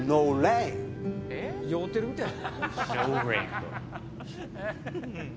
酔うてるみたいや。